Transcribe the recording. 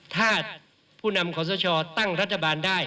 ถ้าผู้นำขอสชตั้งรัฐบาลได้